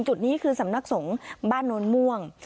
จุดนี้คือสำนักสงฆ์บ้านโน้นม่วง